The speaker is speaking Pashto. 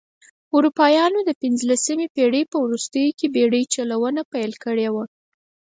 اروپایانو د پنځلسمې پېړۍ په وروستیو کې بېړۍ چلونه پیل کړې وه.